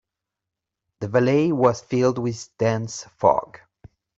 The valley was filled with dense fog.